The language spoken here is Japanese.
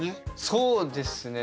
そうですね。